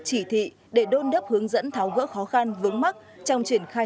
chỉ thị để đôn đấp hướng dẫn tháo gỡ khó khăn vướng mắt trong chuyển khai